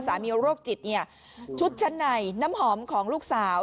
โรคจิตเนี่ยชุดชั้นในน้ำหอมของลูกสาว